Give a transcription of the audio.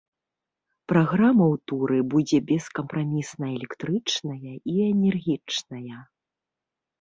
Праграма ў туры будзе бескампрамісна электрычная і энергічная.